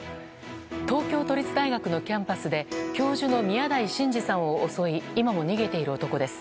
東京都立大学のキャンパスで教授の宮台真司さんを襲い今も逃げている男です。